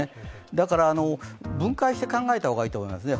だから、分解して考えた方がいいと思いますね。